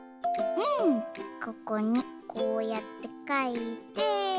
ここにこうやってかいて。